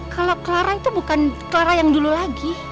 kalau claran itu bukan clara yang dulu lagi